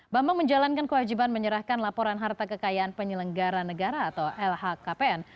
bambang menjalankan kewajiban menyerahkan laporan harta kekayaan penyelenggara negara atau lhkpn